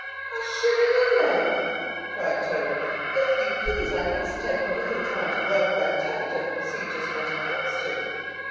"A shilling a leg?" cried Toad. "If you please, I must take a little time to work that out, and see just what it comes to."